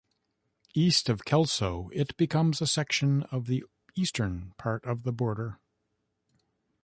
East of Kelso, it becomes a section of the eastern part of the border.